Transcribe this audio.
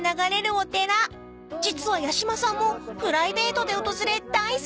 ［実は八嶋さんもプライベートで訪れ大好きに］